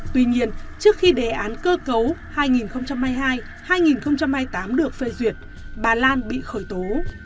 tuy nhiên trước khi đề án cơ cấu hai nghìn hai mươi hai hai nghìn hai mươi tám được phê duyệt bà lan bị khởi tố